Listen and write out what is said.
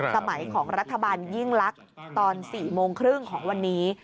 สมัยของรัฐบาลยิ่งลักษณ์ตอน๔โมงครึ่งของวันนี้